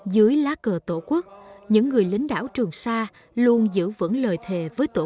dưới lá cờ tổ quốc những người lính đảo trường sa luôn giữ vững lời thề với tổ quốc